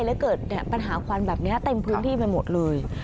และเกิดปัญหาควันแบบนี้เต็มพื้นที่ไปหมดเลย